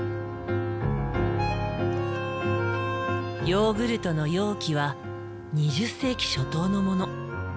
ヨーグルトの容器は２０世紀初頭のもの。